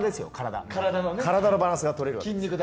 体のバランスがとれるわけです。